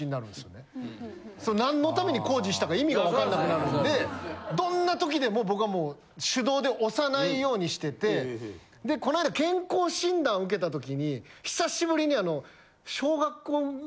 それ何のために工事したか意味がわかんなくなるんでどんな時でも僕はもう手動で押さないようにしててでこの間健康診断受けたときに久しぶりにあの。